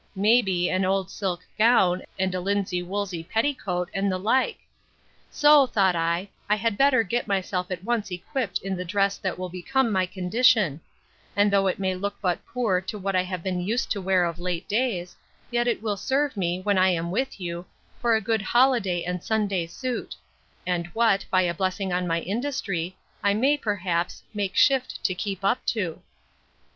—May be, an old silk gown, and a linsey woolsey petticoat, and the like. So, thought I, I had better get myself at once equipped in the dress that will become my condition; and though it may look but poor to what I have been used to wear of late days, yet it will serve me, when I am with you, for a good holiday and Sunday suit; and what, by a blessing on my industry, I may, perhaps, make shift to keep up to.